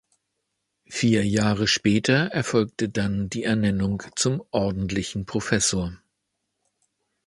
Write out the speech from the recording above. Vier Jahre später erfolgte dann die Ernennung zum ordentlichen Professor.